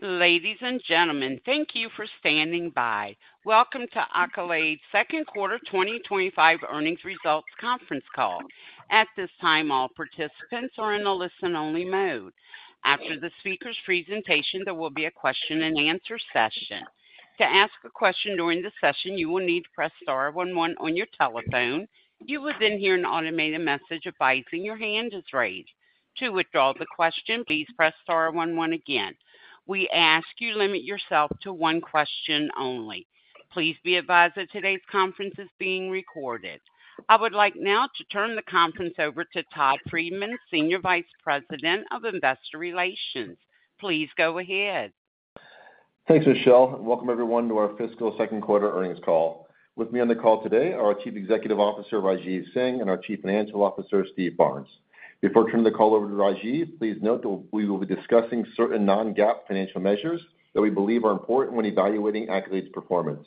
Ladies and gentlemen, thank you for standing by. Welcome to Accolade's second quarter 2025 earnings results conference call. At this time, all participants are in a listen-only mode. After the speaker's presentation, there will be a question-and-answer session. To ask a question during the session, you will need to press star one one on your telephone. You will then hear an automated message advising your hand is raised. To withdraw the question, please press star one one again. We ask you limit yourself to one question only. Please be advised that today's conference is being recorded. I would like now to turn the conference over to Todd Friedman, Senior Vice President of Investor Relations. Please go ahead. Thanks, Michelle, and welcome everyone to our fiscal second quarter earnings call. With me on the call today are our Chief Executive Officer, Rajeev Singh, and our Chief Financial Officer, Steve Barnes. Before I turn the call over to Rajeev, please note that we will be discussing certain non-GAAP financial measures that we believe are important when evaluating Accolade's performance.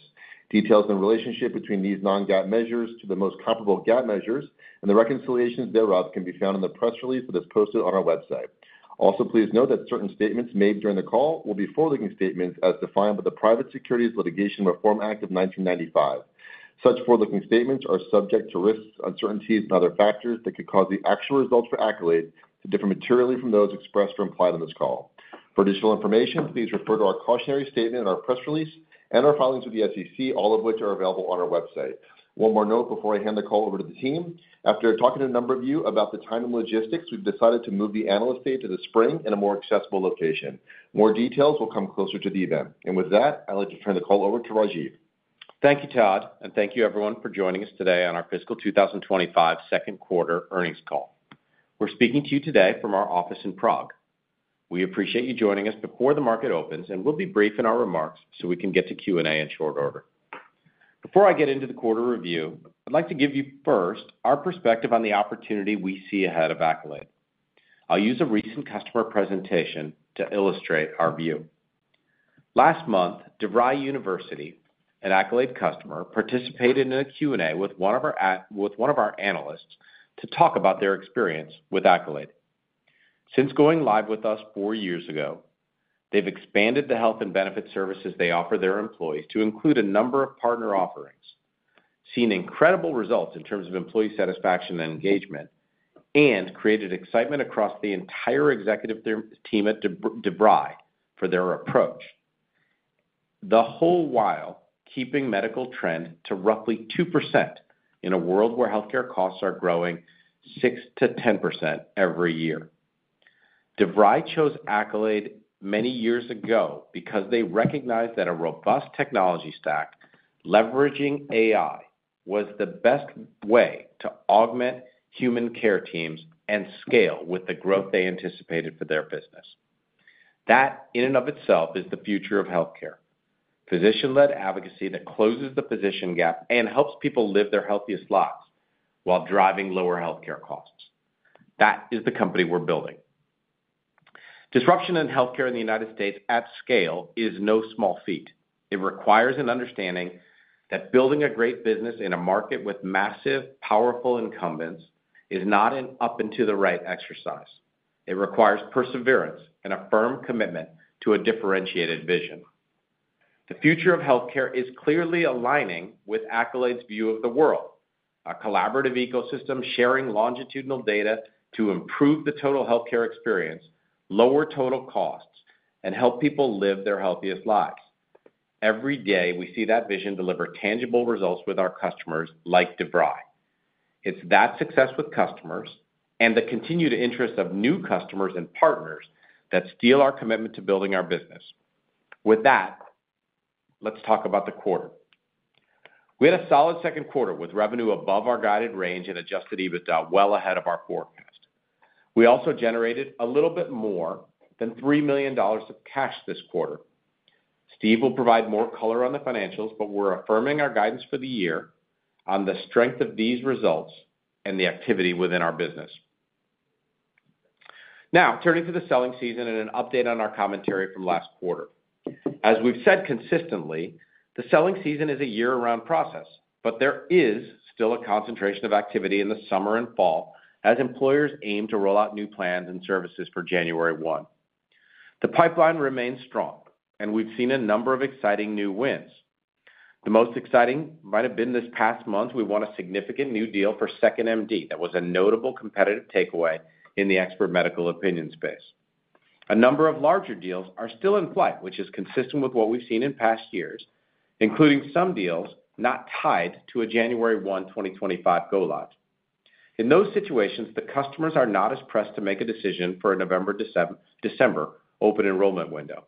Details and relationship between these non-GAAP measures to the most comparable GAAP measures and the reconciliations thereof can be found in the press release that is posted on our website. Also, please note that certain statements made during the call will be forward-looking statements as defined by the Private Securities Litigation Reform Act of 1995. Such forward-looking statements are subject to risks, uncertainties, and other factors that could cause the actual results for Accolade to differ materially from those expressed or implied on this call. For additional information, please refer to our cautionary statement in our press release and our filings with the SEC, all of which are available on our website. One more note before I hand the call over to the team. After talking to a number of you about the time and logistics, we've decided to move the analyst day to the spring in a more accessible location. More details will come closer to the event. And with that, I'd like to turn the call over to Rajeev. Thank you, Todd, and thank you everyone for joining us today on our fiscal 2025 second quarter earnings call. We're speaking to you today from our office in Prague. We appreciate you joining us before the market opens, and we'll be brief in our remarks so we can get to Q&A in short order. Before I get into the quarter review, I'd like to give you first our perspective on the opportunity we see ahead of Accolade. I'll use a recent customer presentation to illustrate our view. Last month, DeVry University, an Accolade customer, participated in a Q&A with one of our analysts to talk about their experience with Accolade. Since going live with us four years ago, they've expanded the health and benefit services they offer their employees to include a number of partner offerings, seen incredible results in terms of employee satisfaction and engagement, and created excitement across the entire executive team there at DeVry for their approach, the whole while keeping medical trend to roughly 2% in a world where healthcare costs are growing 6%-10% every year. DeVry chose Accolade many years ago because they recognized that a robust technology stack leveraging AI was the best way to augment human care teams and scale with the growth they anticipated for their business. That, in and of itself, is the future of healthcare: physician-led advocacy that closes the physician gap and helps people live their healthiest lives while driving lower healthcare costs. That is the company we're building. Disruption in healthcare in the United States at scale is no small feat. It requires an understanding that building a great business in a market with massive, powerful incumbents is not an up and to the right exercise. It requires perseverance and a firm commitment to a differentiated vision. The future of healthcare is clearly aligning with Accolade's view of the world, a collaborative ecosystem, sharing longitudinal data to improve the total healthcare experience, lower total costs, and help people live their healthiest lives. Every day, we see that vision deliver tangible results with our customers like DeVry. It's that success with customers and the continued interest of new customers and partners that steel our commitment to building our business. With that, let's talk about the quarter. We had a solid second quarter with revenue above our guided range and Adjusted EBITDA well ahead of our forecast. We also generated a little bit more than $3 million of cash this quarter. Steve will provide more color on the financials, but we're affirming our guidance for the year on the strength of these results and the activity within our business. Now, turning to the selling season and an update on our commentary from last quarter. As we've said consistently, the selling season is a year-round process, but there is still a concentration of activity in the summer and fall as employers aim to roll out new plans and services for January 1. The pipeline remains strong, and we've seen a number of exciting new wins. The most exciting might have been this past month. We won a significant new deal for 2nd.MD. That was a notable competitive takeaway in the expert medical opinion space. A number of larger deals are still in flight, which is consistent with what we've seen in past years, including some deals not tied to a January 1, 2025 go live. In those situations, the customers are not as pressed to make a decision for a November to September to December open enrollment window.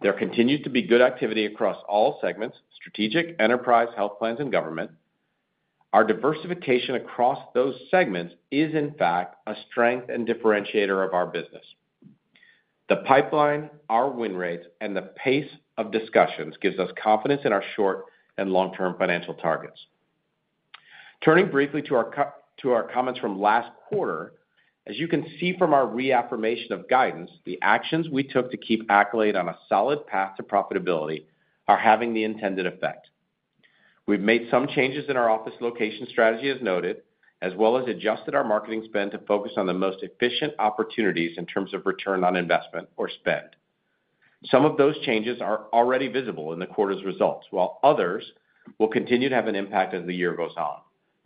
There continues to be good activity across all segments, strategic, enterprise, health plans, and government. Our diversification across those segments is, in fact, a strength and differentiator of our business. The pipeline, our win rates, and the pace of discussions gives us confidence in our short- and long-term financial targets. Turning briefly to our comments from last quarter. As you can see from our reaffirmation of guidance, the actions we took to keep Accolade on a solid path to profitability are having the intended effect.... We've made some changes in our office location strategy, as noted, as well as adjusted our marketing spend to focus on the most efficient opportunities in terms of return on investment or spend. Some of those changes are already visible in the quarter's results, while others will continue to have an impact as the year goes on,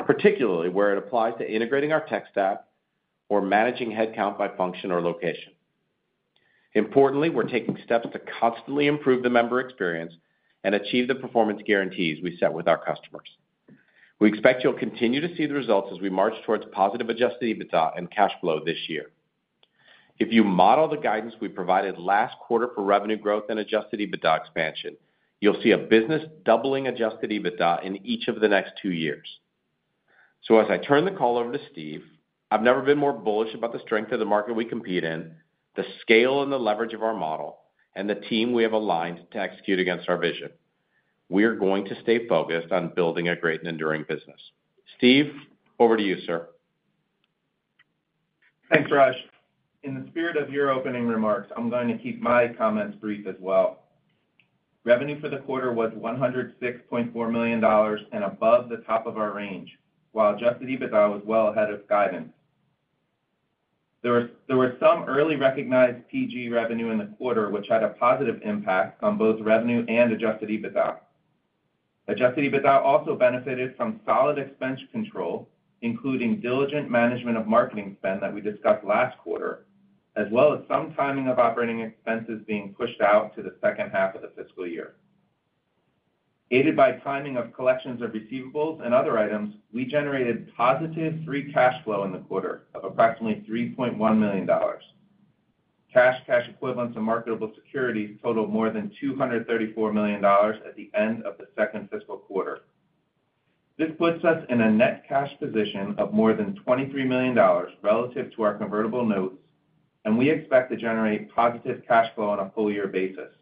particularly where it applies to integrating our tech staff or managing headcount by function or location. Importantly, we're taking steps to constantly improve the member experience and achieve the performance guarantees we set with our customers. We expect you'll continue to see the results as we march towards positive Adjusted EBITDA and cash flow this year. If you model the guidance we provided last quarter for revenue growth and Adjusted EBITDA expansion, you'll see a business doubling Adjusted EBITDA in each of the next two years. So as I turn the call over to Steve, I've never been more bullish about the strength of the market we compete in, the scale and the leverage of our model, and the team we have aligned to execute against our vision. We are going to stay focused on building a great and enduring business. Steve, over to you, sir. Thanks, Raj. In the spirit of your opening remarks, I'm going to keep my comments brief as well. Revenue for the quarter was $106.4 million and above the top of our range, while adjusted EBITDA was well ahead of guidance. There were some early recognized PG revenue in the quarter, which had a positive impact on both revenue and adjusted EBITDA. Adjusted EBITDA also benefited from solid expense control, including diligent management of marketing spend that we discussed last quarter, as well as some timing of operating expenses being pushed out to the second half of the fiscal year. Aided by timing of collections of receivables and other items, we generated positive free cash flow in the quarter of approximately $3.1 million. Cash, cash equivalents, and marketable securities totaled more than $234 million at the end of the second fiscal quarter. This puts us in a net cash position of more than $23 million relative to our convertible notes, and we expect to generate positive cash flow on a full year basis.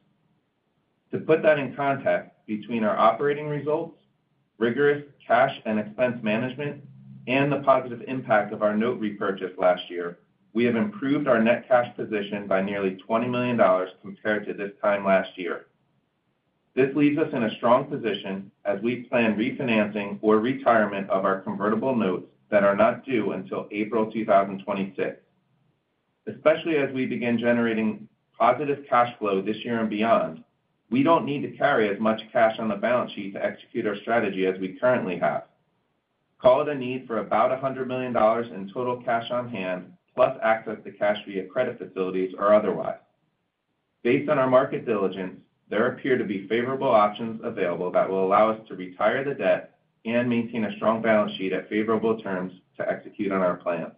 To put that in context, between our operating results, rigorous cash and expense management, and the positive impact of our note repurchase last year, we have improved our net cash position by nearly $20 million compared to this time last year. This leaves us in a strong position as we plan refinancing or retirement of our convertible notes that are not due until April 2026. Especially as we begin generating positive cash flow this year and beyond, we don't need to carry as much cash on the balance sheet to execute our strategy as we currently have. Call it a need for about $100 million in total cash on hand, plus access to cash via credit facilities or otherwise. Based on our market diligence, there appear to be favorable options available that will allow us to retire the debt and maintain a strong balance sheet at favorable terms to execute on our plans.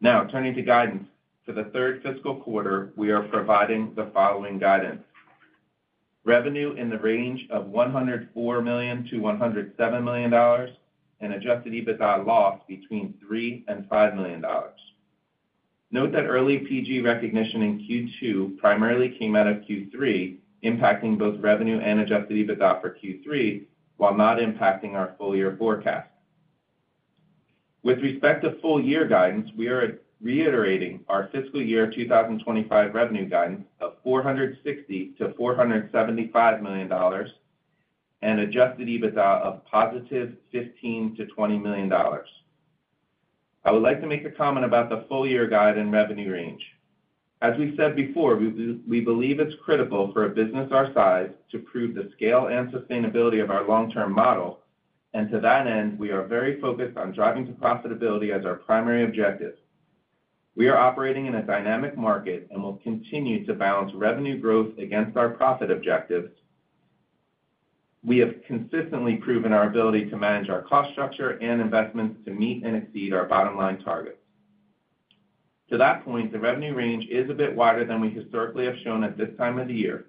Now, turning to guidance. For the third fiscal quarter, we are providing the following guidance: Revenue in the range of $104 million to $107 million, and Adjusted EBITDA loss between $3 million and $5 million. Note that early PG recognition in Q2 primarily came out of Q3, impacting both revenue and Adjusted EBITDA for Q3, while not impacting our full-year forecast. With respect to full-year guidance, we are reiterating our fiscal year 2025 revenue guidance of $460 million-$475 million, and Adjusted EBITDA of positive $15 million-$20 million. I would like to make a comment about the full-year guide and revenue range. As we said before, we believe it's critical for a business our size to prove the scale and sustainability of our long-term model, and to that end, we are very focused on driving to profitability as our primary objective. We are operating in a dynamic market and will continue to balance revenue growth against our profit objectives. We have consistently proven our ability to manage our cost structure and investments to meet and exceed our bottom line targets. To that point, the revenue range is a bit wider than we historically have shown at this time of the year.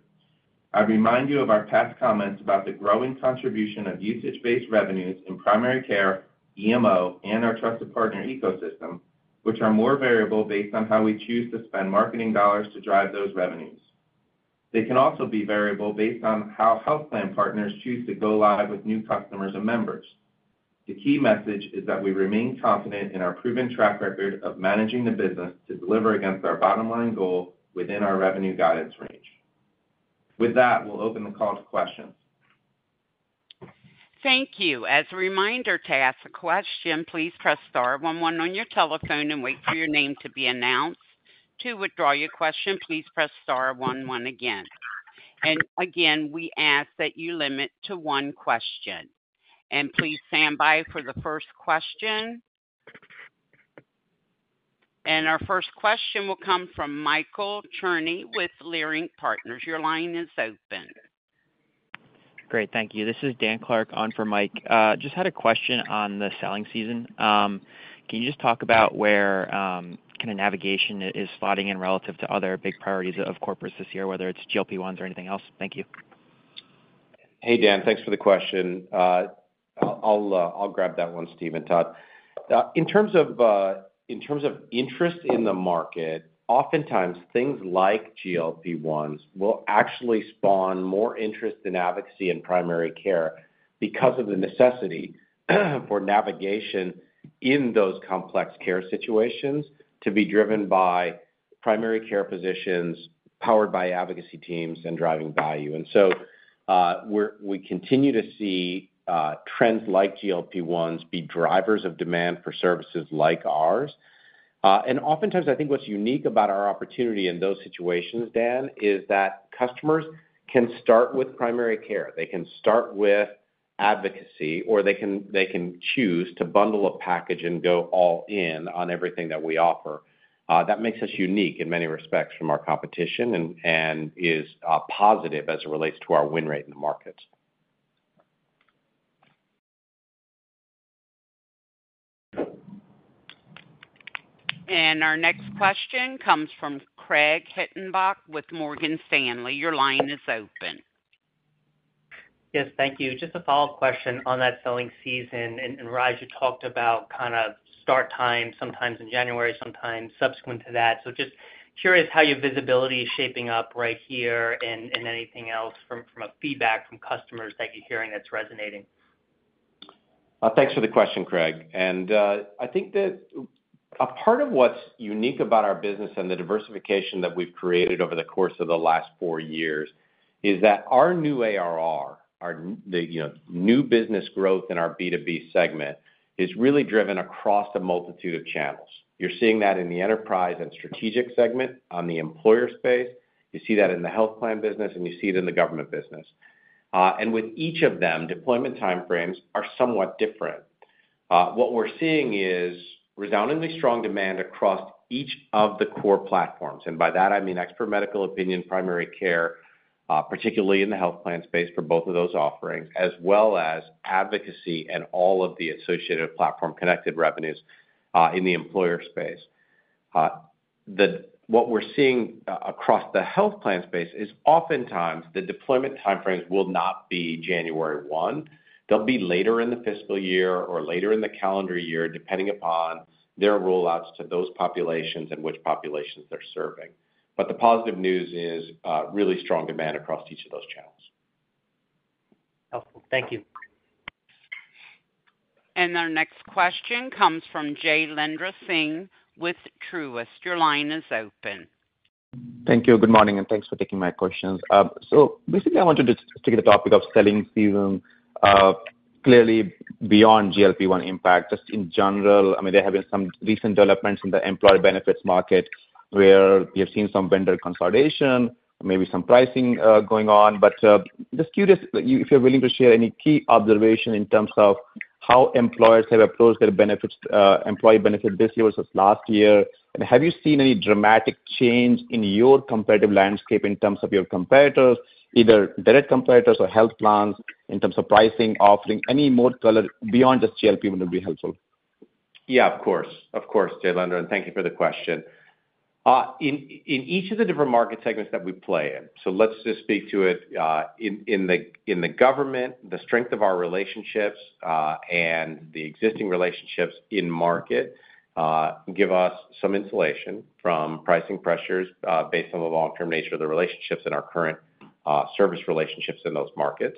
I remind you of our past comments about the growing contribution of usage-based revenues in primary care, EMO, and our trusted partner ecosystem, which are more variable based on how we choose to spend marketing dollars to drive those revenues. They can also be variable based on how health plan partners choose to go live with new customers or members. The key message is that we remain confident in our proven track record of managing the business to deliver against our bottom-line goal within our revenue guidance range. With that, we'll open the call to questions. Thank you. As a reminder, to ask a question, please press star one one on your telephone and wait for your name to be announced. To withdraw your question, please press star one one again. And again, we ask that you limit to one question. And please stand by for the first question. And our first question will come from Michael Cherny with Leerink Partners. Your line is open. Great, thank you. This is Dan Clark on for Mike. Just had a question on the selling season. Can you just talk about where kind of navigation is spotting in relative to other big priorities of corporates this year, whether it's GLP-1s or anything else? Thank you. Hey, Dan, thanks for the question. I'll grab that one, Steve and Todd. In terms of interest in the market, oftentimes, things like GLP-1s will actually spawn more interest in advocacy and primary care because of the necessity for navigation in those complex care situations to be driven by primary care positions, powered by advocacy teams and driving value. And so, we continue to see trends like GLP-1s be drivers of demand for services like ours. And oftentimes, I think what's unique about our opportunity in those situations, Dan, is that customers can start with primary care. They can start with advocacy, or they can choose to bundle a package and go all in on everything that we offer. That makes us unique in many respects from our competition and is positive as it relates to our win rate in the market. And our next question comes from Craig Hettenbach with Morgan Stanley. Your line is open. Yes, thank you. Just a follow-up question on that selling season. And Raj, you talked about kind of start time, sometimes in January, sometimes subsequent to that. So just curious how your visibility is shaping up right here and anything else from a feedback from customers that you're hearing that's resonating. Thanks for the question, Craig. And, I think that a part of what's unique about our business and the diversification that we've created over the course of the last four years, is that our new ARR, you know, new business growth in our B2B segment, is really driven across a multitude of channels. You're seeing that in the enterprise and strategic segment on the employer space, you see that in the health plan business, and you see it in the government business. And with each of them, deployment time frames are somewhat different. What we're seeing is resoundingly strong demand across each of the core platforms, and by that I mean expert medical opinion, primary care, particularly in the health plan space for both of those offerings, as well as advocacy and all of the associated platform connected revenues, in the employer space. What we're seeing across the health plan space is oftentimes the deployment time frames will not be January one. They'll be later in the fiscal year or later in the calendar year, depending upon their rollouts to those populations and which populations they're serving. But the positive news is, really strong demand across each of those channels. Helpful. Thank you. Our next question comes from Jailendra Singh with Truist. Your line is open. Thank you. Good morning, and thanks for taking my questions. So basically, I wanted to get the topic of selling season clearly beyond GLP-1 impact, just in general. I mean, there have been some recent developments in the employee benefits market, where we have seen some vendor consolidation, maybe some pricing going on. But just curious, if you're willing to share any key observation in terms of how employers have approached their benefits, employee benefit this year versus last year. And have you seen any dramatic change in your competitive landscape in terms of your competitors, either direct competitors or health plans, in terms of pricing, offering, any more color beyond just GLP-1 would be helpful? Yeah, of course. Of course, Jailendra, and thank you for the question. In each of the different market segments that we play in, so let's just speak to it in the government, the strength of our relationships and the existing relationships in market give us some insulation from pricing pressures based on the long-term nature of the relationships and our current service relationships in those markets.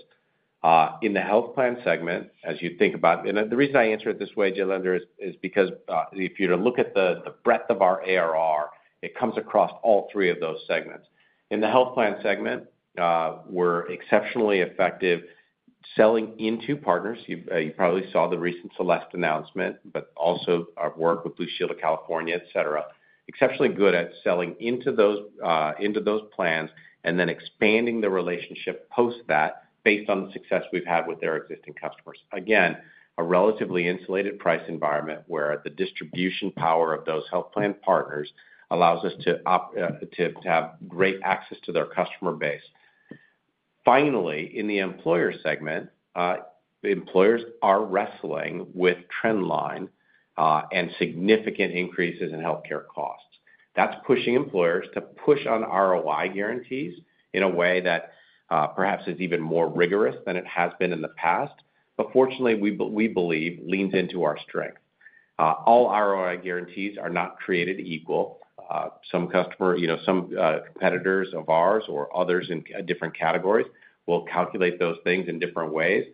In the health plan segment, as you think about the reason I answer it this way, Jailendra, is because if you're to look at the breadth of our ARR, it comes across all three of those segments. In the health plan segment, we're exceptionally effective selling into partners. You've, you probably saw the recent Celeste announcement, but also our work with Blue Shield of California, et cetera. Exceptionally good at selling into those plans and then expanding the relationship post that, based on the success we've had with their existing customers. Again, a relatively insulated price environment, where the distribution power of those health plan partners allows us to have great access to their customer base. Finally, in the employer segment, the employers are wrestling with trend line and significant increases in healthcare costs. That's pushing employers to push on ROI guarantees in a way that perhaps is even more rigorous than it has been in the past, but fortunately, we believe, leans into our strength. All ROI guarantees are not created equal. Some customers, you know, some competitors of ours or others in different categories will calculate those things in different ways.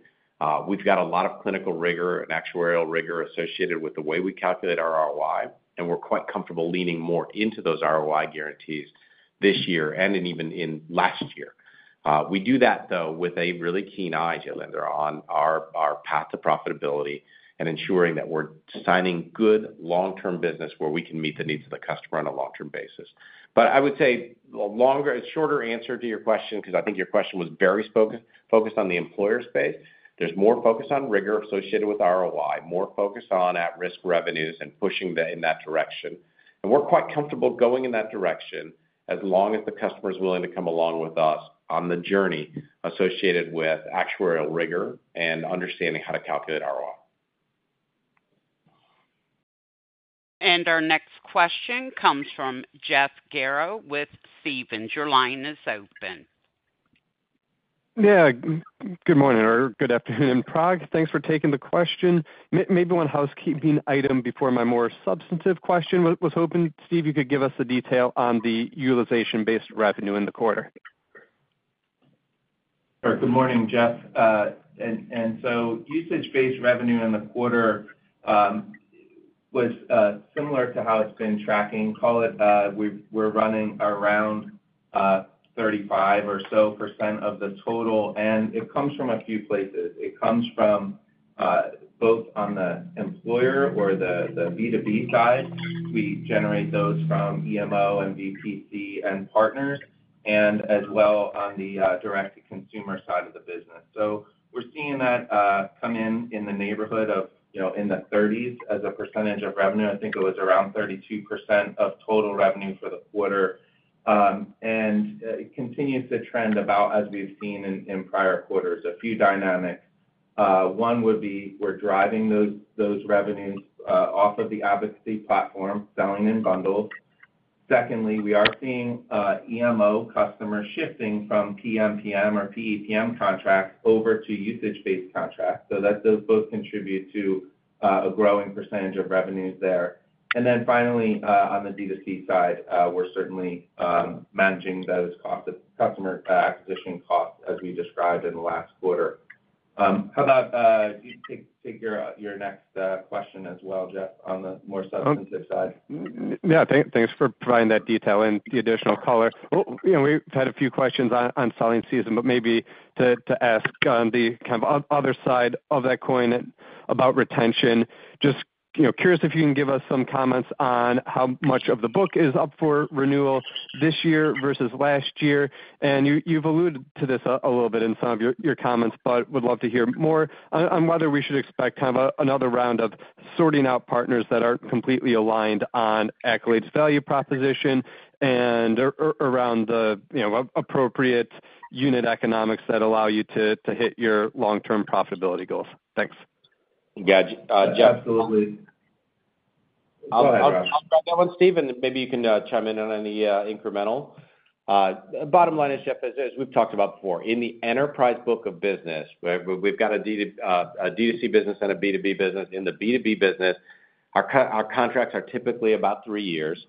We've got a lot of clinical rigor and actuarial rigor associated with the way we calculate ROI, and we're quite comfortable leaning more into those ROI guarantees this year and even in last year. We do that, though, with a really keen eye, Jailendra, on our path to profitability and ensuring that we're signing good long-term business where we can meet the needs of the customer on a long-term basis, but I would say a shorter answer to your question, because I think your question was very focused on the employer space. There's more focus on rigor associated with ROI, more focus on at-risk revenues and pushing in that direction. We're quite comfortable going in that direction as long as the customer is willing to come along with us on the journey associated with actuarial rigor and understanding how to calculate ROI. Our next question comes from Jeff Garro with Stephens. Your line is open. Yeah, good morning or good afternoon, Prague. Thanks for taking the question. Maybe one housekeeping item before my more substantive question. Was hoping, Steve, you could give us the detail on the utilization-based revenue in the quarter?... Or good morning, Jeff, and so usage-based revenue in the quarter was similar to how it's been tracking. Call it, we're running around 35% or so of the total, and it comes from a few places. It comes from both on the employer or the B2B side. We generate those from EMO and VPC and partners, and as well on the direct-to-consumer side of the business, so we're seeing that come in, in the neighborhood of, you know, in the 30s as a percentage of revenue. I think it was around 32% of total revenue for the quarter, and it continues to trend about as we've seen in prior quarters, a few dynamics. One would be, we're driving those revenues off of the advocacy platform, selling in bundles. Secondly, we are seeing EMO customers shifting from PMPM or PEPM contracts over to usage-based contracts, so that those both contribute to a growing percentage of revenues there. And then finally, on the D2C side, we're certainly managing those customer acquisition costs, as we described in the last quarter. How about you take your next question as well, Jeff, on the more substantive side? Yeah, thanks for providing that detail and the additional color. Well, you know, we've had a few questions on selling season, but maybe to ask on the other side of that coin about retention. Just, you know, curious if you can give us some comments on how much of the book is up for renewal this year versus last year. And you've alluded to this a little bit in some of your comments, but would love to hear more on whether we should expect kind of another round of sorting out partners that aren't completely aligned on Accolade's value proposition and around the, you know, appropriate unit economics that allow you to hit your long-term profitability goals. Thanks. Yeah, Jeff- Absolutely. I'll start that one, Steve, and maybe you can chime in on any incremental. Bottom line is, Jeff, as we've talked about before, in the enterprise book of business, where we've got a D2C business and a B2B business, in the B2B business, our contracts are typically about three years,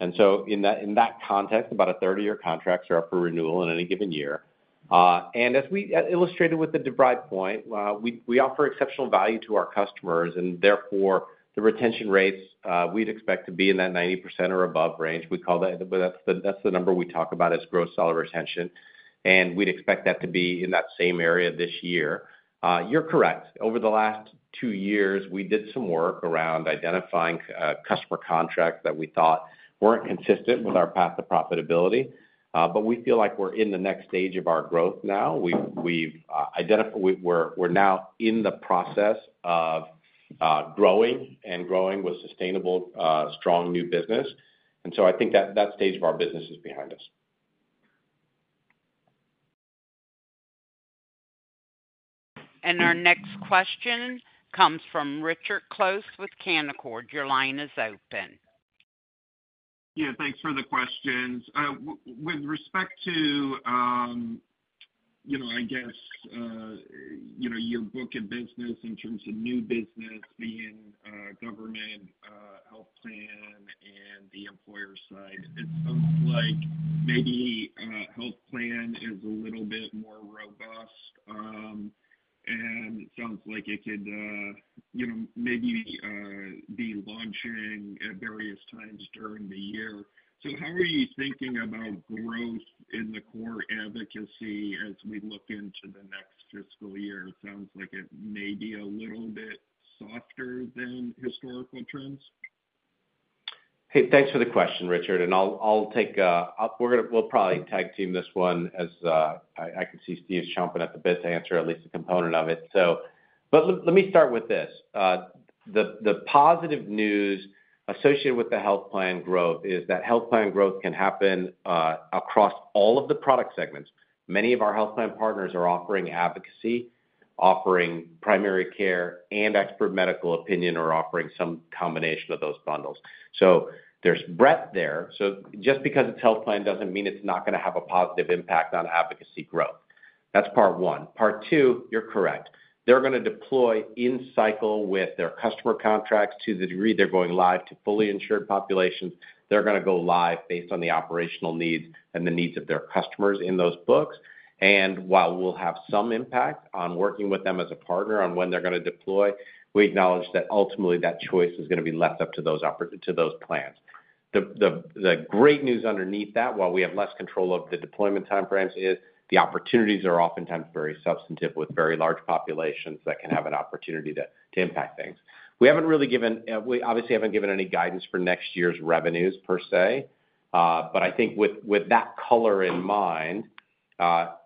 and so in that context, about a third of your contracts are up for renewal in any given year. And as we illustrated with the DeVry point, we offer exceptional value to our customers, and therefore, the retention rates we'd expect to be in that 90% or above range. We call that, well, that's the number we talk about as Gross Seller Retention, and we'd expect that to be in that same area this year. You're correct. Over the last two years, we did some work around identifying customer contracts that we thought weren't consistent with our path to profitability, but we feel like we're in the next stage of our growth now. We're now in the process of growing with sustainable, strong new business. And so I think that stage of our business is behind us. And our next question comes from Richard Close with Canaccord. Your line is open. Yeah, thanks for the questions. With respect to, you know, I guess, you know, your book of business in terms of new business being government, health plan, and the employer side, it sounds like maybe health plan is a little bit more robust, and it sounds like it could, you know, maybe be launching at various times during the year. So how are you thinking about growth in the core advocacy as we look into the next fiscal year? It sounds like it may be a little bit softer than historical trends. Hey, thanks for the question, Richard, and I'll take. We're gonna, we'll probably tag team this one, as I can see Steve's chomping at the bit to answer at least a component of it. So, but let me start with this. The positive news associated with the health plan growth is that health plan growth can happen across all of the product segments. Many of our health plan partners are offering advocacy, offering primary care and expert medical opinion, or offering some combination of those bundles. So there's breadth there. So just because it's health plan, doesn't mean it's not gonna have a positive impact on advocacy growth. That's part one. Part two, you're correct. They're gonna deploy in cycle with their customer contracts to the degree they're going live to fully insured populations. They're gonna go live based on the operational needs and the needs of their customers in those books. And while we'll have some impact on working with them as a partner on when they're gonna deploy, we acknowledge that ultimately that choice is gonna be left up to those plans. The great news underneath that, while we have less control over the deployment timeframes, is the opportunities are oftentimes very substantive with very large populations that can have an opportunity to impact things. We haven't really given, we obviously haven't given any guidance for next year's revenues per se, but I think with that color in mind,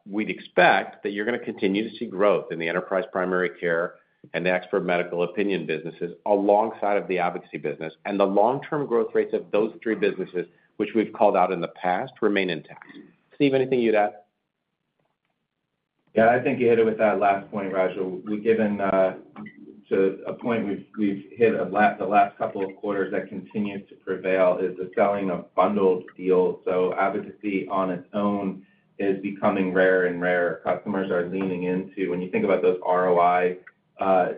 we'd expect that you're gonna continue to see growth in the enterprise primary care and the expert medical opinion businesses, alongside of the advocacy business. And the long-term growth rates of those three businesses, which we've called out in the past, remain intact. Steve, anything you'd add? Yeah, I think you hit it with that last point, Raju. We've given to a point we've hit the last couple of quarters that continues to prevail, is the selling of bundled deals. So advocacy on its own is becoming rarer and rarer. Customers are leaning into. When you think about those ROI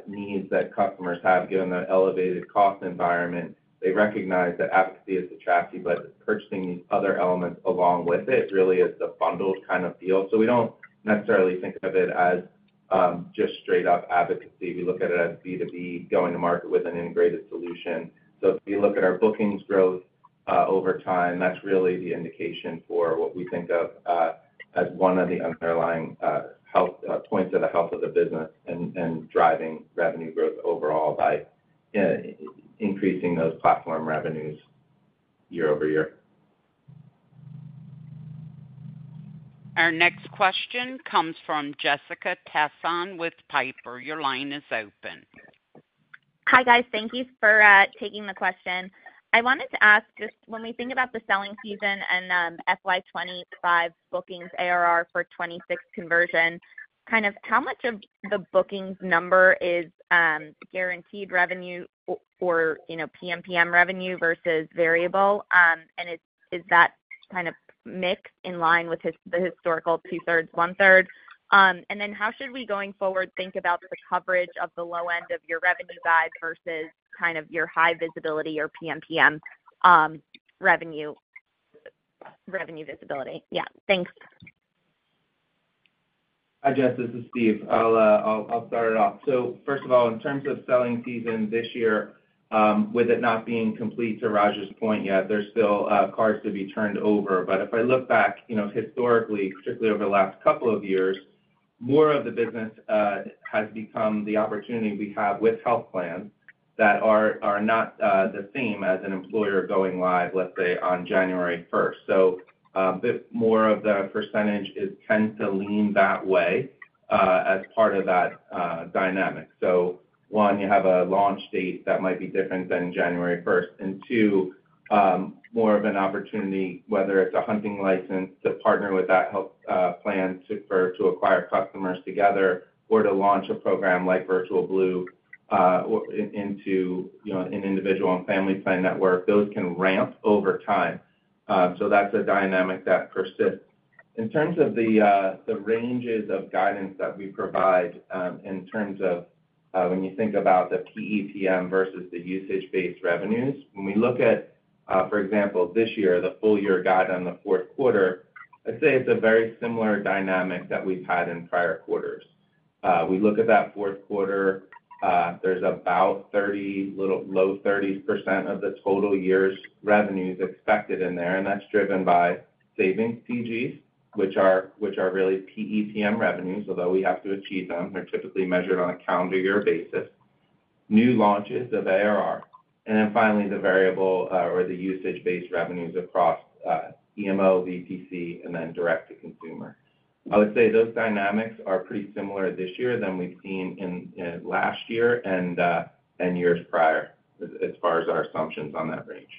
needs that customers have, given the elevated cost environment, they recognize that advocacy is attractive, but purchasing these other elements along with it, really is the bundled kind of deal. So we don't necessarily think of it as just straight up advocacy. We look at it as B2B going to market with an integrated solution. So if you look at our bookings growth over time, that's really the indication for what we think of as one of the underlying health points of the health of the business and driving revenue growth overall by increasing those platform revenues year over year. Our next question comes from Jessica Tassan with Piper. Your line is open. Hi, guys. Thank you for taking the question. I wanted to ask, just when we think about the selling season and FY 2025 bookings ARR for 2026 conversion, kind of how much of the bookings number is guaranteed revenue or, you know, PMPM revenue versus variable? And is that kind of mix in line with the historical two-thirds, one-third? And then how should we, going forward, think about the coverage of the low end of your revenue guide versus kind of your high visibility or PMPM revenue visibility? Yeah. Thanks. Hi, Jess, this is Steve. I'll start it off. So first of all, in terms of selling season this year, with it not being complete, to Raj's point yet, there's still cards to be turned over. But if I look back, you know, historically, particularly over the last couple of years, more of the business has become the opportunity we have with health plans that are not the same as an employer going live, let's say, on January 1st. So a bit more of the percentage tends to lean that way as part of that dynamic. So one, you have a launch date that might be different than January 1st, and two, more of an opportunity, whether it's a hunting license to partner with that health plan to acquire customers together or to launch a program like Virtual Blue into, you know, an individual and family plan network, those can ramp over time. So that's a dynamic that persists. In terms of the ranges of guidance that we provide, in terms of when you think about the PEPM versus the usage-based revenues, when we look at for example, this year, the full year guide on the fourth quarter, I'd say it's a very similar dynamic that we've had in prior quarters. We look at that fourth quarter, there's about 30%-low 30s% of the total year's revenues expected in there, and that's driven by savings CGs, which are really PEPM revenues, although we have to achieve them. They're typically measured on a calendar year basis, new launches of ARR, and then finally, the variable or the usage-based revenues across EMO, VPC, and then direct-to-consumer. I would say those dynamics are pretty similar this year than we've seen in last year and years prior, as far as our assumptions on that range.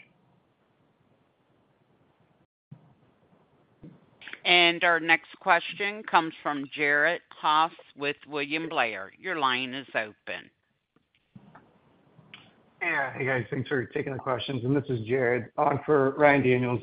Our next question comes from Jared Haase with William Blair. Your line is open. Yeah. Hey, guys, thanks for taking the questions, and this is Jared on for Ryan Daniels.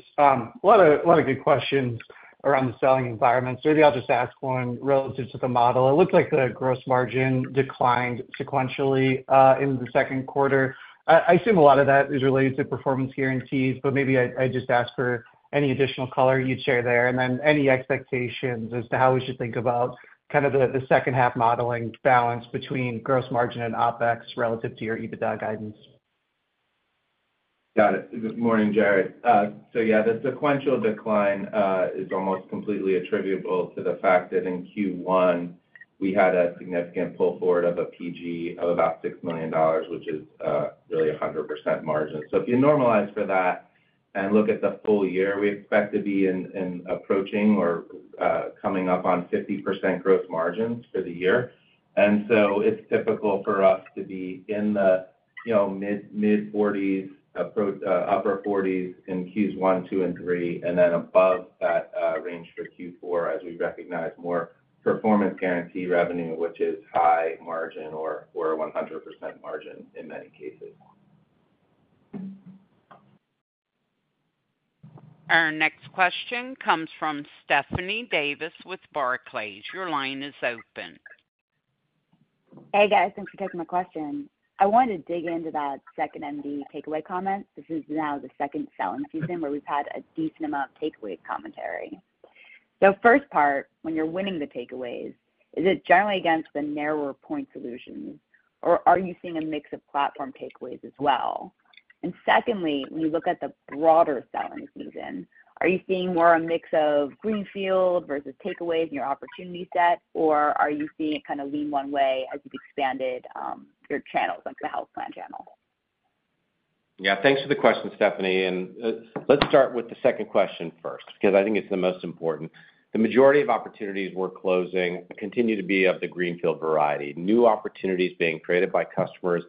What a good question around the selling environment. So maybe I'll just ask one relative to the model. It looked like the gross margin declined sequentially in the second quarter. I assume a lot of that is related to performance guarantees, but maybe I just ask for any additional color you'd share there, and then any expectations as to how we should think about kind of the second half modeling balance between gross margin and OpEx relative to your EBITDA guidance. Got it. Good morning, Jared. So yeah, the sequential decline is almost completely attributable to the fact that in Q1, we had a significant pull forward of a PG of about $6 million, which is really 100% margin, so if you normalize for that and look at the full year, we expect to be in approaching or coming up on 50% gross margins for the year, and so it's typical for us to be in the, you know, mid-40s approaching upper 40s in Q1, Q2, and Q3, and then above that range for Q4 as we recognize more performance guarantee revenue, which is high margin or 100% margin in many cases. Our next question comes from Stephanie Davis with Barclays. Your line is open. Hey, guys. Thanks for taking my question. I wanted to dig into that 2nd.MD takeaway comment. This is now the second selling season where we've had a decent amount of takeaway commentary. So first part, when you're winning the takeaways, is it generally against the narrower point solutions, or are you seeing a mix of platform takeaways as well? And secondly, when you look at the broader selling season, are you seeing more a mix of greenfield versus takeaways in your opportunity set, or are you seeing it kind of lean one way as you've expanded, your channels, like the health plan channel? Yeah, thanks for the question, Stephanie. And, let's start with the second question first, because I think it's the most important. The majority of opportunities we're closing continue to be of the greenfield variety, new opportunities being created by customers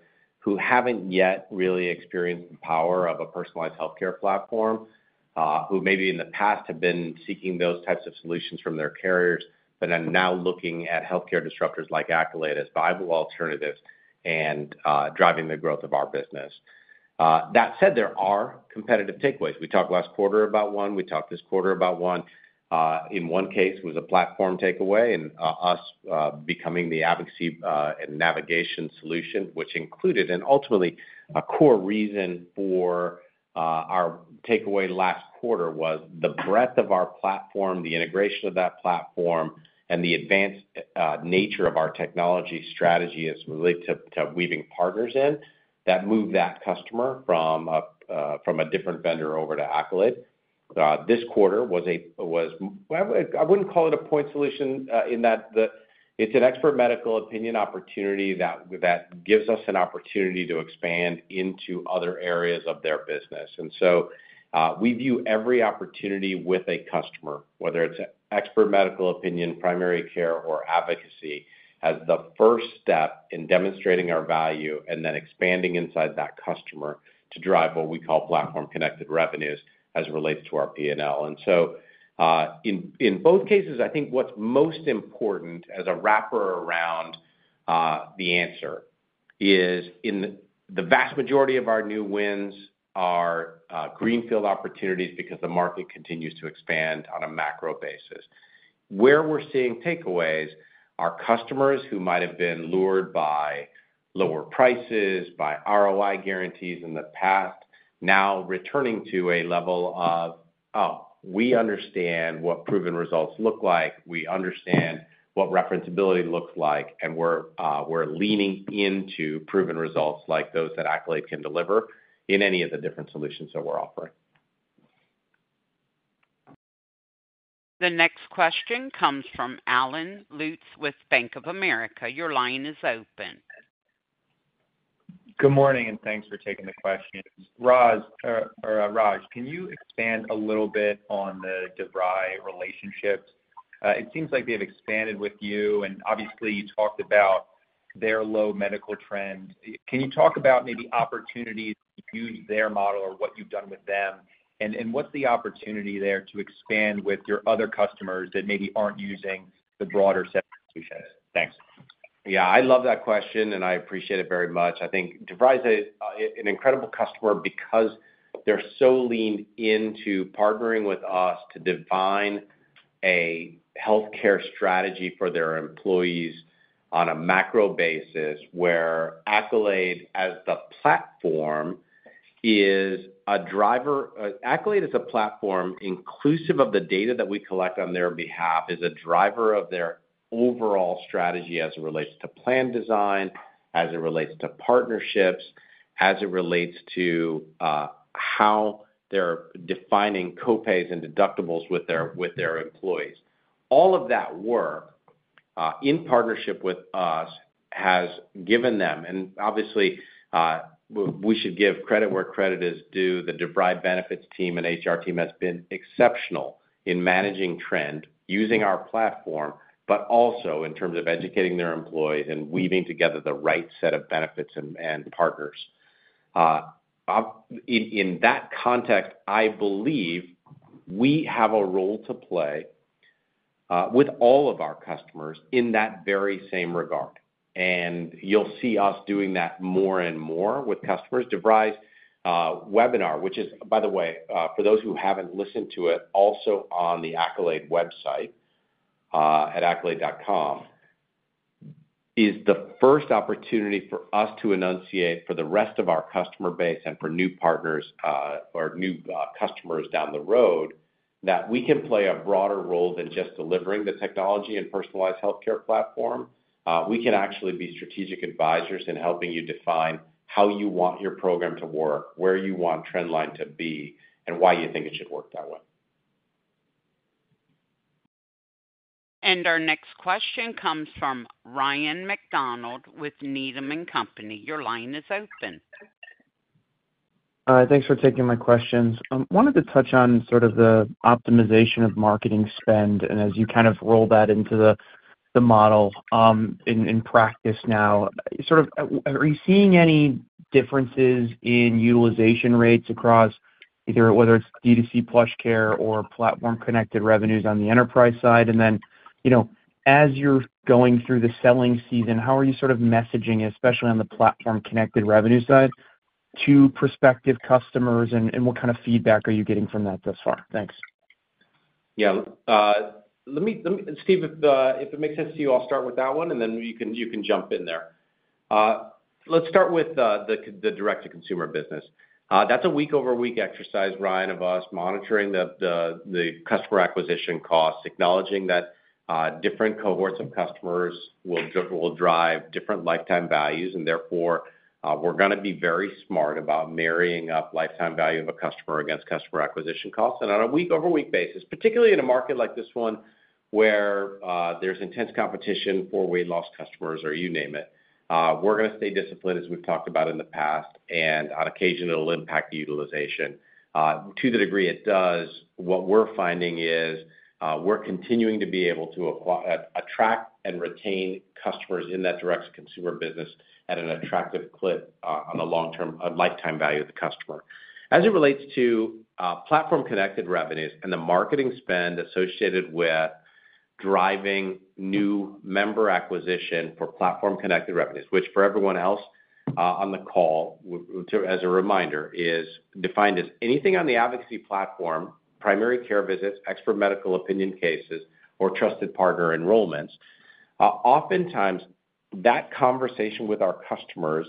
who haven't yet really experienced the power of a personalized healthcare platform, who maybe in the past have been seeking those types of solutions from their carriers, but are now looking at healthcare disruptors like Accolade as viable alternatives and, driving the growth of our business. That said, there are competitive takeaways. We talked last quarter about one, we talked this quarter about one. In one case, it was a platform takeaway and us becoming the advocacy and navigation solution, which included, and ultimately, a core reason for our takeaway last quarter was the breadth of our platform, the integration of that platform, and the advanced nature of our technology strategy as related to weaving partners in, that moved that customer from a different vendor over to Accolade. ... this quarter was a well, I wouldn't call it a point solution in that it's an expert medical opinion opportunity that gives us an opportunity to expand into other areas of their business. And so, we view every opportunity with a customer, whether it's expert medical opinion, primary care, or advocacy, as the first step in demonstrating our value and then expanding inside that customer to drive what we call platform-connected revenues as it relates to our P&L. And so, in both cases, I think what's most important as a wrapper around the answer is in the vast majority of our new wins are greenfield opportunities because the market continues to expand on a macro basis. Where we're seeing takeaways are customers who might have been lured by lower prices, by ROI guarantees in the past, now returning to a level of, "Oh, we understand what proven results look like. We understand what referenceability looks like, and we're leaning into proven results like those that Accolade can deliver in any of the different solutions that we're offering. The next question comes from Allen Lutz with Bank of America. Your line is open. Good morning, and thanks for taking the question. Roz, or, Raj, can you expand a little bit on the DeVry relationship? It seems like they've expanded with you, and obviously, you talked about their low medical trend. Can you talk about maybe opportunities to use their model or what you've done with them? And, what's the opportunity there to expand with your other customers that maybe aren't using the broader set of solutions? Thanks. Yeah, I love that question, and I appreciate it very much. I think DeVry's an incredible customer because they're so leaned into partnering with us to define a healthcare strategy for their employees on a macro basis, where Accolade, as the platform, is a driver. Accolade as a platform, inclusive of the data that we collect on their behalf, is a driver of their overall strategy as it relates to plan design, as it relates to partnerships, as it relates to how they're defining co-pays and deductibles with their employees. All of that work, in partnership with us, has given them, and obviously, we should give credit where credit is due, the DeVry benefits team and HR team has been exceptional in managing trend, using our platform, but also in terms of educating their employees and weaving together the right set of benefits and partners. In that context, I believe we have a role to play, with all of our customers in that very same regard, and you'll see us doing that more and more with customers. DeVry's webinar, which is, by the way, for those who haven't listened to it, also on the Accolade website, at accolade.com, is the first opportunity for us to enunciate for the rest of our customer base and for new partners, or new, customers down the road, that we can play a broader role than just delivering the technology and personalized healthcare platform. We can actually be strategic advisors in helping you define how you want your program to work, where you want trend line to be, and why you think it should work that way. And our next question comes from Ryan MacDonald with Needham & Company. Your line is open. Thanks for taking my questions. Wanted to touch on sort of the optimization of marketing spend, and as you kind of roll that into the model, in practice now. Sort of, are you seeing any differences in utilization rates across either whether it's D2C PlushCare or platform-connected revenues on the enterprise side? And then, you know, as you're going through the selling season, how are you sort of messaging, especially on the platform connected revenue side, to prospective customers, and what kind of feedback are you getting from that thus far? Thanks. Yeah, let me, Steve, if it makes sense to you, I'll start with that one, and then you can jump in there. Let's start with the direct-to-consumer business. That's a week-over-week exercise, Ryan, of us monitoring the customer acquisition costs, acknowledging that different cohorts of customers will drive different lifetime values, and therefore, we're gonna be very smart about marrying up lifetime value of a customer against customer acquisition costs, and on a week-over-week basis, particularly in a market like this one, where there's intense competition for weight loss customers or you name it, we're gonna stay disciplined, as we've talked about in the past, and on occasion, it'll impact the utilization. To the degree it does, what we're finding is, we're continuing to be able to attract and retain customers in that direct-to-consumer business at an attractive clip, on the long term, lifetime value of the customer. As it relates to, platform-connected revenues and the marketing spend associated with driving new member acquisition for platform-connected revenues, which for everyone else, on the call, as a reminder, is defined as anything on the advocacy platform, primary care visits, expert medical opinion cases, or trusted partner enrollments. Oftentimes, that conversation with our customers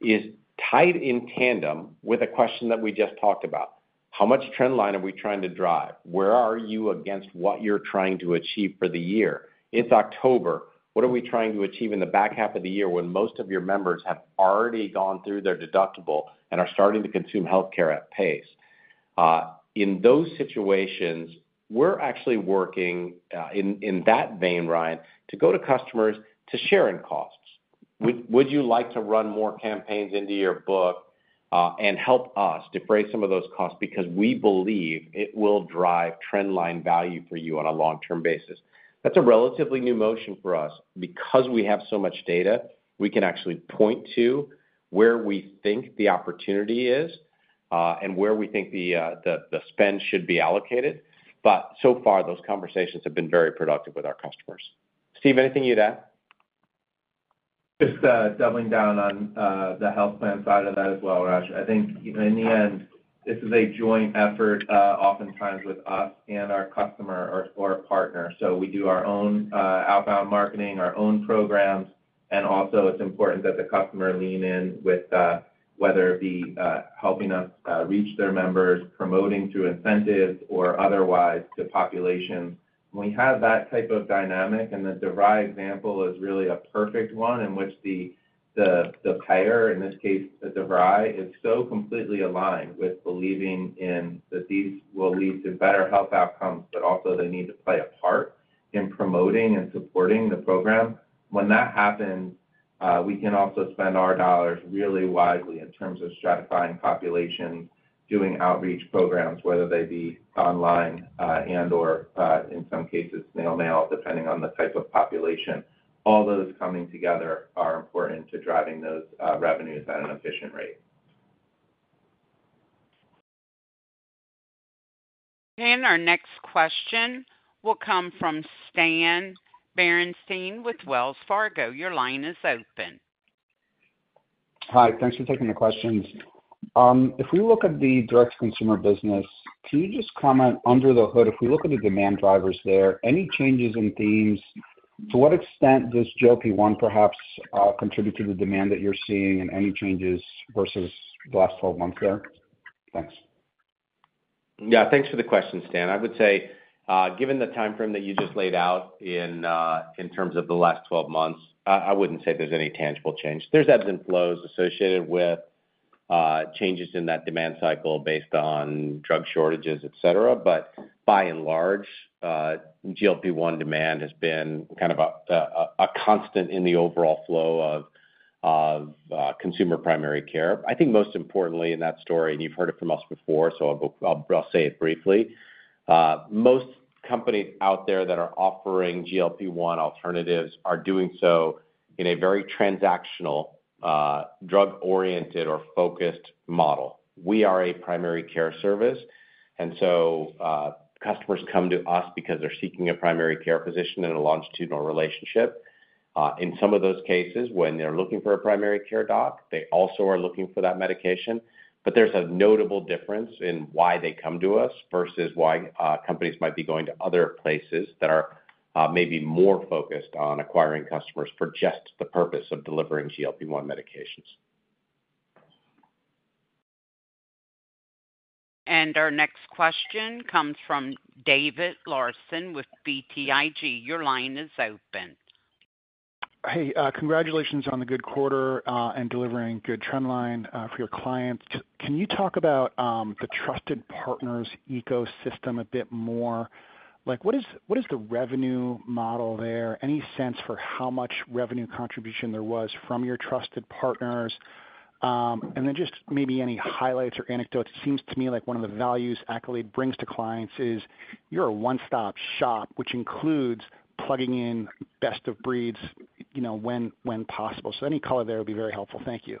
is tied in tandem with a question that we just talked about: How much trend line are we trying to drive? Where are you against what you're trying to achieve for the year? It's October, what are we trying to achieve in the back half of the year when most of your members have already gone through their deductible and are starting to consume healthcare at pace? In those situations, we're actually working in that vein, Ryan, to go to customers to share in costs. Would you like to run more campaigns into your book and help us defray some of those costs? Because we believe it will drive trend line value for you on a long-term basis. That's a relatively new motion for us. Because we have so much data, we can actually point to where we think the opportunity is and where we think the spend should be allocated. But so far, those conversations have been very productive with our customers. Steve, anything you'd add? Just doubling down on the health plan side of that as well, Raj. I think, you know, in the end, this is a joint effort, oftentimes with us and our customer or, or our partner. So we do our own outbound marketing, our own programs, and also it's important that the customer lean in with, whether it be, helping us reach their members, promoting through incentives or otherwise to populations. When we have that type of dynamic, and the DeVry example is really a perfect one, in which the payer, in this case, the DeVry, is so completely aligned with believing in that these will lead to better health outcomes, but also they need to play a part in promoting and supporting the program. When that happens, we can also spend our dollars really wisely in terms of stratifying population, doing outreach programs, whether they be online, and/or, in some cases, mail, depending on the type of population. All those coming together are important to driving those revenues at an efficient rate. And our next question will come from Stan Berenshteyn with Wells Fargo. Your line is open. Hi, thanks for taking the questions. If we look at the direct-to-consumer business, can you just comment under the hood, if we look at the demand drivers there, any changes in themes? To what extent does GLP-1 perhaps contribute to the demand that you're seeing and any changes versus the last twelve months there? Thanks. Yeah, thanks for the question, Stan. I would say, given the timeframe that you just laid out in, in terms of the last twelve months, I wouldn't say there's any tangible change. There's ebbs and flows associated with changes in that demand cycle based on drug shortages, et cetera. But by and large, GLP-1 demand has been kind of a constant in the overall flow of consumer primary care. I think most importantly in that story, and you've heard it from us before, so I'll say it briefly: Most companies out there that are offering GLP-1 alternatives are doing so in a very transactional, drug-oriented or focused model. We are a primary care service, and so, customers come to us because they're seeking a primary care physician in a longitudinal relationship. In some of those cases, when they're looking for a primary care doc, they also are looking for that medication. But there's a notable difference in why they come to us versus why companies might be going to other places that are maybe more focused on acquiring customers for just the purpose of delivering GLP-1 medications. And our next question comes from David Larsen with BTIG. Your line is open. Hey, congratulations on the good quarter and delivering good trend line for your clients. Can you talk about the trusted partners' ecosystem a bit more? Like, what is the revenue model there? Any sense for how much revenue contribution there was from your trusted partners? And then just maybe any highlights or anecdotes. It seems to me like one of the values Accolade brings to clients is you're a one-stop shop, which includes plugging in best of breeds, you know, when possible. So any color there will be very helpful. Thank you.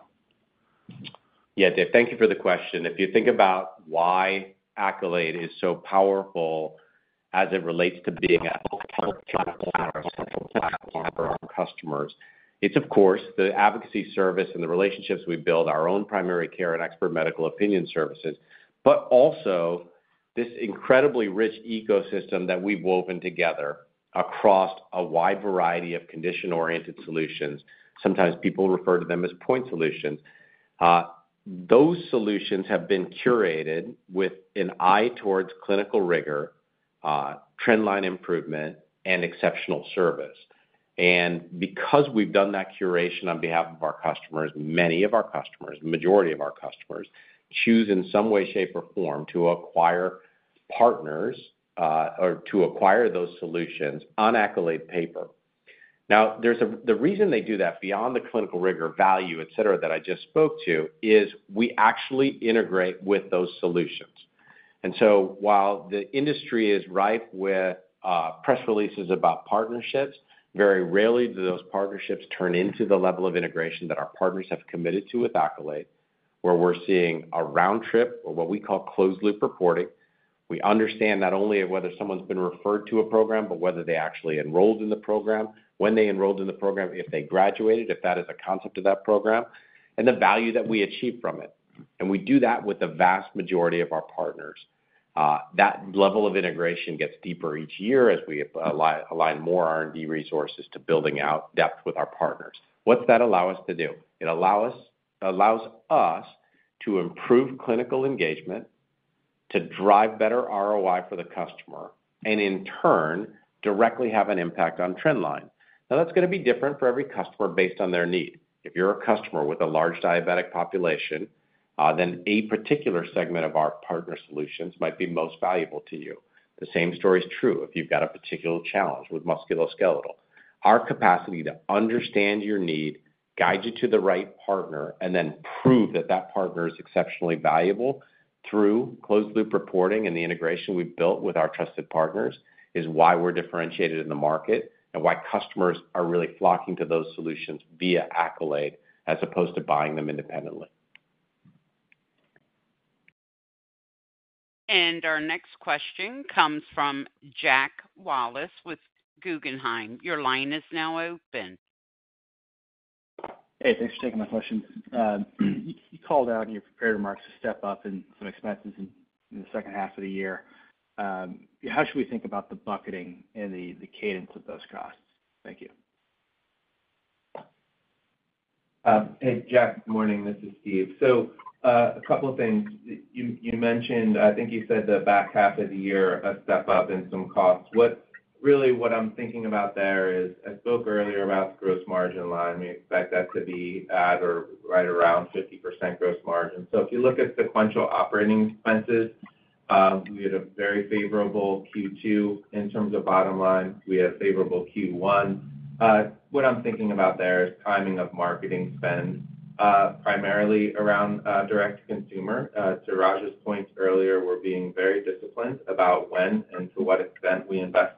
Yeah, Dave, thank you for the question. If you think about why Accolade is so powerful as it relates to being a fit for our customers, it's of course the advocacy service and the relationships we build, our own primary care and expert medical opinion services, but also this incredibly rich ecosystem that we've woven together across a wide variety of condition-oriented solutions. Sometimes people refer to them as point solutions. Those solutions have been curated with an eye towards clinical rigor, trend line improvement, and exceptional service. And because we've done that curation on behalf of our customers, many of our customers, majority of our customers, choose in some way, shape, or form to acquire partners or to acquire those solutions on Accolade paper. Now, the reason they do that, beyond the clinical rigor, value, et cetera, that I just spoke to, is we actually integrate with those solutions. And so while the industry is ripe with, press releases about partnerships, very rarely do those partnerships turn into the level of integration that our partners have committed to with Accolade, where we're seeing a round trip or what we call closed loop reporting. We understand not only whether someone's been referred to a program, but whether they actually enrolled in the program, when they enrolled in the program, if they graduated, if that is a concept of that program, and the value that we achieve from it. And we do that with the vast majority of our partners. That level of integration gets deeper each year as we align more R&D resources to building out depth with our partners. What's that allow us to do? It allows us to improve clinical engagement to drive better ROI for the customer, and in turn, directly have an impact on trend line. Now, that's gonna be different for every customer based on their need. If you're a customer with a large diabetic population, then a particular segment of our partner solutions might be most valuable to you. The same story is true if you've got a particular challenge with musculoskeletal. Our capacity to understand your need, guide you to the right partner, and then prove that that partner is exceptionally valuable through closed-loop reporting and the integration we've built with our trusted partners, is why we're differentiated in the market, and why customers are really flocking to those solutions via Accolade, as opposed to buying them independently. And our next question comes from Jack Wallace with Guggenheim. Your line is now open. Hey, thanks for taking my question. You called out in your prepared remarks, a step up in some expenses in the second half of the year. How should we think about the bucketing and the cadence of those costs? Thank you. Hey, Jack. Morning, this is Steve. So, a couple of things. You mentioned, I think you said the back half of the year, a step up in some costs. What really, what I'm thinking about there is, I spoke earlier about the gross margin line. We expect that to be at or right around 50% gross margin. So if you look at sequential operating expenses, we had a very favorable Q2 in terms of bottom line. We had a favorable Q1. What I'm thinking about there is timing of marketing spend, primarily around direct-to-consumer. To Raj's point earlier, we're being very disciplined about when and to what extent we invest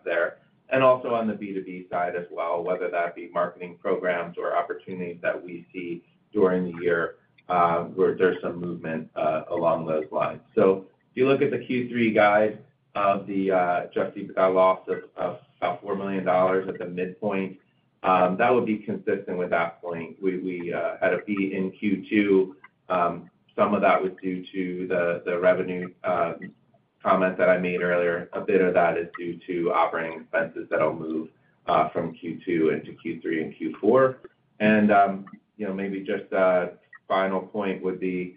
there, and also on the B2B side as well, whether that be marketing programs or opportunities that we see during the year, where there's some movement along those lines. So if you look at the Q3 guide of the Adjusted EBITDA loss of about $4 million at the midpoint, that would be consistent with that point. We had a beat in Q2, some of that was due to the revenue comment that I made earlier. A bit of that is due to operating expenses that'll move from Q2 into Q3 and Q4. And you know, maybe just a final point would be,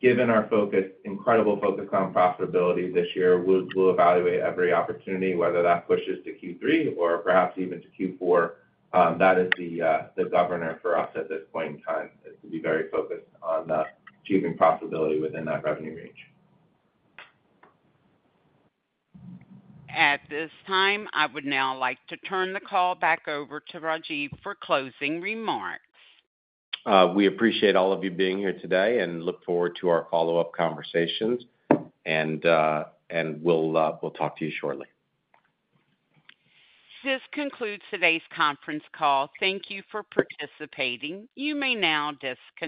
given our focus, incredible focus on profitability this year, we'll evaluate every opportunity, whether that pushes to Q3 or perhaps even to Q4, that is the governor for us at this point in time, is to be very focused on achieving profitability within that revenue range. At this time, I would now like to turn the call back over to Rajeev for closing remarks. We appreciate all of you being here today and look forward to our follow-up conversations, and we'll talk to you shortly. This concludes today's conference call. Thank you for participating. You may now disconnect.